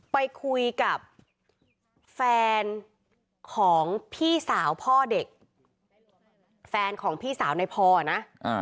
ไปคุยกับแฟนของพี่สาวพ่อเด็กแฟนของพี่สาวในพอนะ